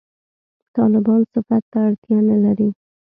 «طالبان» صفت ته اړتیا نه لري.